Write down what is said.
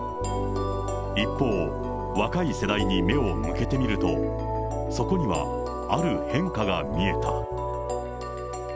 一方、若い世代に目を向けてみると、そこにはある変化が見えた。